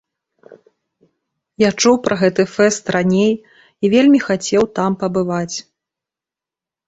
Я чуў пра гэты фэст раней і вельмі хацеў там пабываць.